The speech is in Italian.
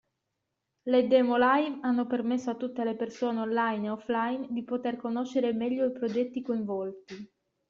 Le demo live hanno permesso a tutte le persone Online e Offline di poter conoscere meglio i progetti coinvolti.